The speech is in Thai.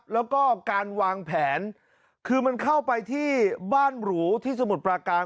แล้วก็การวางแผนคือมันเข้าไปที่บ้านหรูที่สมุทรปราการ